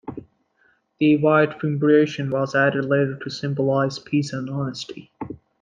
The white fimbriation was added later to symbolise peace and honesty.